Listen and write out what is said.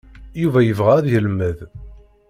Yuba yebɣa ad yelmed.